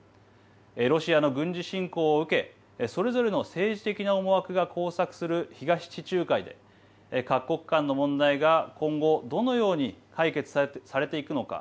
ロシアの軍事侵攻を受けそれぞれの政治的な思惑が交錯する東地中海で各国間の問題が今後、どのように解決されていくのか。